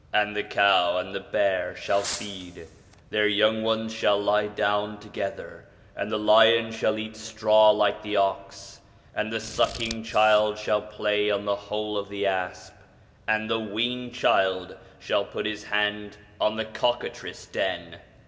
And the cow and the bear shall feed ; their young ones shall lie down together: and the lion shall eat straw like the ox. And the sucking child shall play on the hole of the asp, and the weaned child shall put his 71 ON THE INFLUENCE OF THE PROPHETS 73 hand on the cockatrice' den.